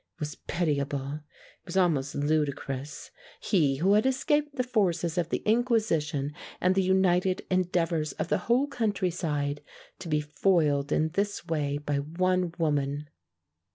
It was pitiable, it was almost ludicrous; he who had escaped the forces of the inquisition and the united endeavours of the whole countryside, to be foiled in this way by one woman.